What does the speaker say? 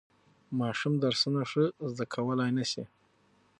ماشوم درسونه ښه زده کولای نشي.